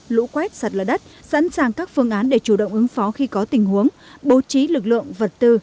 lũ quét sạt lở đất sẵn sàng các phương án để chủ động ứng phó khi có tình huống bố trí lực lượng vật tư